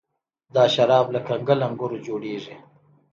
دا شراب له کنګل انګورو جوړیږي.